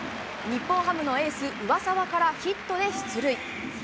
日本ハムのエース、上沢からヒットで出塁。